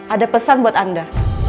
ada pesan buat anda